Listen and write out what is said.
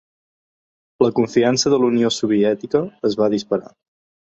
La confiança de l'Unió Soviètica es va disparar.